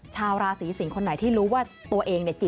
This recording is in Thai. ชาวราศีสิงศ์คนไหนที่รู้ว่าตัวเองเนี่ยจิต